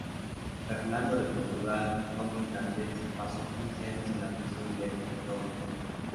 Fernando de Portugal, conde de Flandes pasó quince años en la prisión del Louvre.